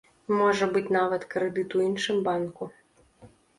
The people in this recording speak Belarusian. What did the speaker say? Можа быць нават крэдыт у іншым банку.